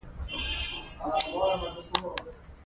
ژبې د افغانستان د اوږدمهاله پایښت لپاره یو مهم او رغنده رول لري.